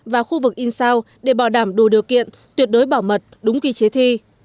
và khu vực in sao để bảo đảm đủ điều kiện tuyệt đối bảo mật đúng quy chế thi